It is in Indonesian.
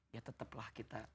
ya tetaplah kita